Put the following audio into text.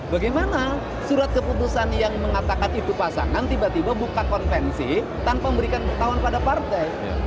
bagaimana surat keputusan yang mengatakan itu pasangan tiba tiba buka konvensi tanpa memberikan pengetahuan pada partai